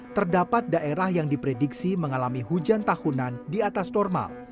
terdapat daerah yang diprediksi mengalami hujan tahunan di atas normal